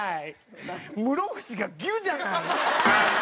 室伏がギュッじゃない。